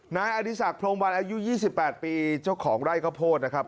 นายอดิสักโพงบรรยายอายุ๒๘ปีเจ้าของไล่กะโพดนะครับ